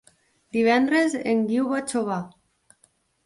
Divendres en Guiu va a Xóvar.